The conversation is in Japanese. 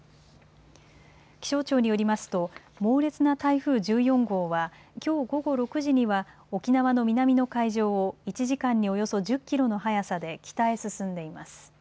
気象庁によりますと猛烈な台風１４号はきょう午後６時には沖縄の南の海上を１時間におよそ１０キロの速さで北へ進んでいます。